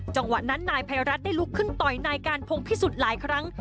จังหวะนั้นนายภัยรัฐได้ลุกขึ้นต่อยนายการพงพิสุทธิ์หลายครั้ง